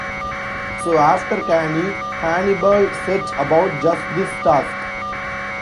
So after Cannae, Hannibal set about just this task.